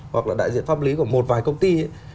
hoặc là đại diện pháp lý của một vài công ty ấy